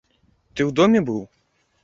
Ты ў доме быў?